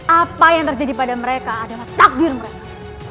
apa yang terjadi pada mereka adalah takdir mereka